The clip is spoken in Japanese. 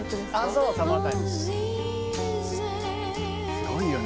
すごいよね